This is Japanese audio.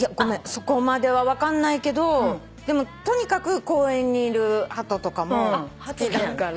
そこまでは分かんないけどでもとにかく公園にいるハトとかも好きだから。